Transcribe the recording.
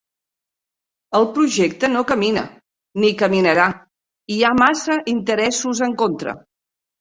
El projecte no camina, ni caminarà: hi ha massa interessos en contra.